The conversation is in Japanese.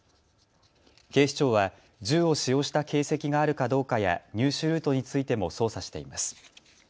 警視庁は銃を使用した形跡があるかどうかや入手ルートについても捜査しています。